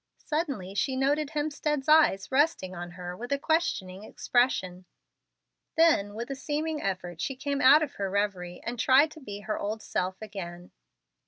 Suddenly she noted Hemstead's eye resting on her with a questioning expression. Then with a seeming effort she came out of her revery, and tried to be her old self again.